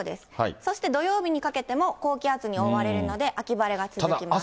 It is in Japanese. そして土曜日にかけても、高気圧に覆われるので、秋晴れが続きます。